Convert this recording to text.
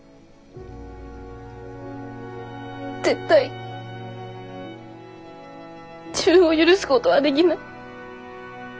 絶対自分を許すごどはできない。